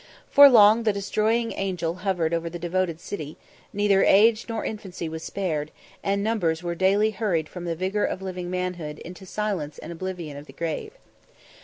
For long the Destroying Angel hovered over the devoted city neither age nor infancy was spared, and numbers were daily hurried from the vigour of living manhood into the silence and oblivion of the grave.